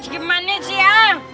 aduh bos gimana sih ya